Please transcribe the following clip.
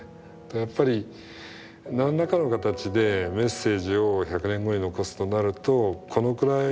やっぱり何らかの形でメッセージを１００年後に残すとなるとこのくらいの強さっていうか